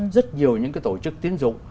rất nhiều những tổ chức tiến dụng